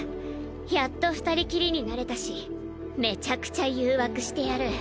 やっと二人きりになれたしめちゃくちゃ誘惑してやる。